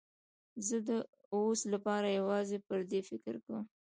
زه د اوس لپاره یوازې پر دې فکر کوم.